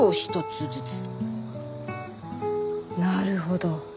なるほど。